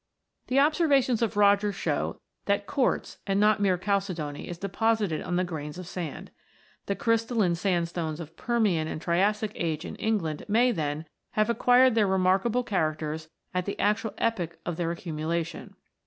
The observations of Rogers show that quartz and not mere chalcedony is deposited on the grains of sand. The " crystalline sandstones " of Permian and Triassic age in England may, then, have acquired their remarkable characters at the actual epoch of their accumulation.